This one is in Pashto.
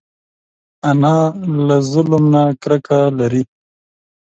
انا له ظلم نه کرکه لري